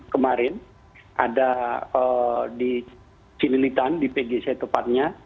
kemarin ada di cililitan di pgc tepatnya